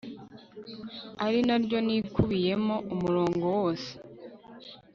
arinaryo nikubiyemo umurongo wose